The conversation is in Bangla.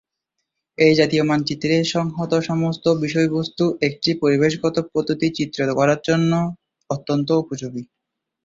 এই জাতীয় মানচিত্রে সংহত সমস্ত বিষয়বস্তু একটি পরিবেশগত পদ্ধতি চিত্রিত করার জন্য অত্যন্ত উপযোগী।